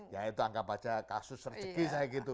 ya itu anggap saja kasus rezeki saya gitu